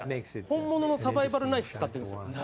「本物のサバイバルナイフ使ってるんですよ」